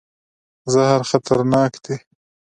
زهر خطرناک دی.